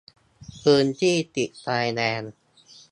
พื้นที่ติดชายแดน